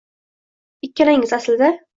Ikkalangiz aslida